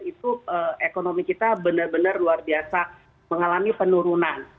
itu ekonomi kita benar benar luar biasa mengalami penurunan